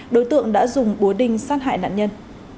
đối tượng đã dùng búa đinh sát hại nạn nhân